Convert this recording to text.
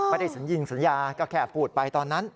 สัญญิงสัญญาก็แค่พูดไปตอนนั้น